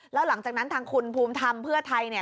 แล้วหลังจากนั้นทางคุณภูมิธรรมเพื่อไทยเนี่ย